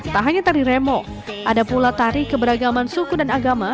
tak hanya tari remo ada pula tari keberagaman suku dan agama